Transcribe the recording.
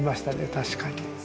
確かに。